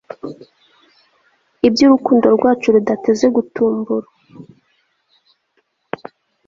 ibyo urukundo rwacu rudateze gutumbur